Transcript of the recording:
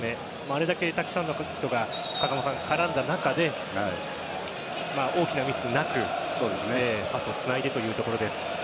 あれだけたくさんの人が絡んだ中で大きなミスなくパスをつないでというところです。